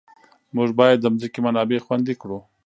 موږ باید د ځمکې منابع خوندي کړو.